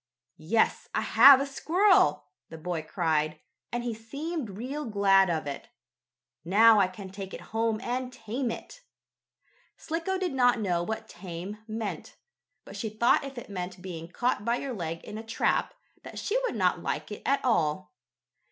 "Yes, I have a squirrel!" the boy cried, and he seemed real glad of it. "Now I can take it home and tame it." Slicko did not know what "tame" meant, but she thought if it meant being caught by your leg in a trap, that she would not like it at all.